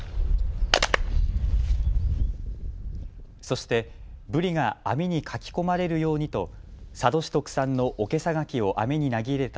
そしてブリが網にかき込まれるようにと佐渡市特産のおけさ柿を網に投げ入れた